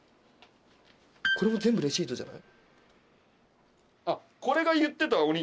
これも全部レシートじゃない？